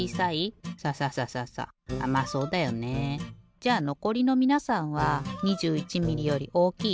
じゃのこりのみなさんは２１ミリより大きい？